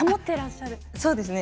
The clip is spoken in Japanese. そうですね